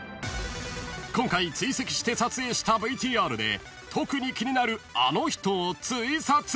［今回追跡して撮影したＶＴＲで特に気になるあの人をツイサツ］